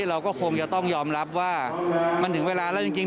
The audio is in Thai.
เราก็คงจะต้องยอมรับว่ามันถึงเวลาแล้วจริง